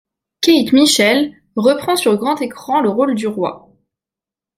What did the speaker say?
Keith Michell reprend sur grand écran le rôle du roi.